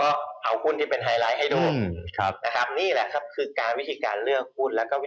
และก็ต้องการวัดผลให้แบบนี้